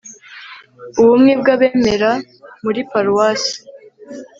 ubumwe bw'abemera muri paruwasi